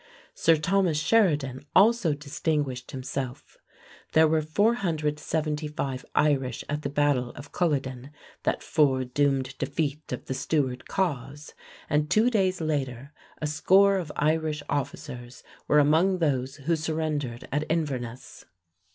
Sir Thomas Sheridan also distinguished himself. There were 475 Irish at the battle of Culloden, that foredoomed defeat of the Stuart cause, and two days later a score of Irish officers were among those who surrendered at Inverness.